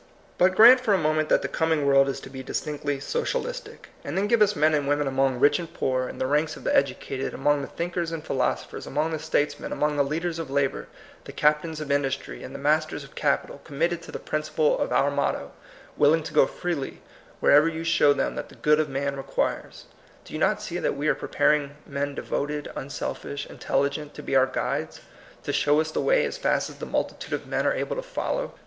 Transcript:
But grant for a moment that the com ing world is to be distinctly socialistic, 188 THE COMING PEOPLE. and then give us men and women among rich and poor, in the ranks of the edu cated, among the thinkers and philosophers, among the statesmen, among the leaders of labor, the captains of industry, and the mas ters of capital, committed to the principle of our motto, willing to go freely wherever you show them that the good of man re quires, — do you not see that we are pre paring men devoted, unselfish, intelligent, to be our guides, to show us the way as fast as the multitude of men are able to follow